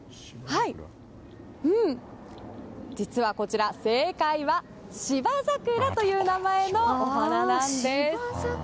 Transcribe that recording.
実はこちら、正解はシバザクラという名前のお花なんです。